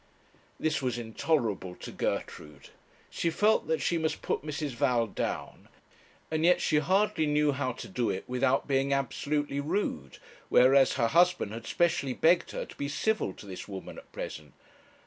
This was intolerable to Gertrude. She felt that she must put Mrs. Val down, and yet she hardly knew how to do it without being absolutely rude; whereas her husband had specially begged her to be civil to this woman at present.